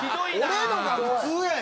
俺のが普通やねん！